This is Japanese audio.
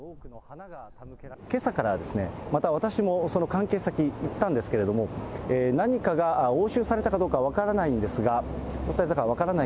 けさからですね、また私もその関係先行ったんですけれども、何かが押収されたかどうか分からないんですが、恐らく、分からない。